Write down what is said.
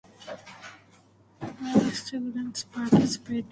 Many students participate in those competitions and got good rank.